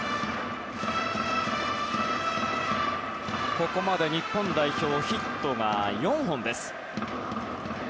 ここまで日本代表ヒットが４本です。